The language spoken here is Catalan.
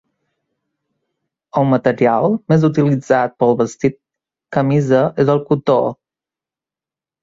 El material més utilitzat pel vestit camisa és el cotó.